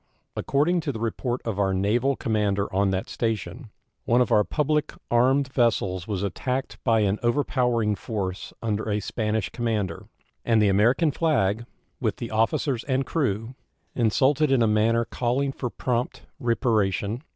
According to the report of our naval commander on that station, one of our public armed vessels was attacked by an over powering force under a Spanish commander, and the American flag, with the officers and crew, insulted in a manner calling for prompt reparation.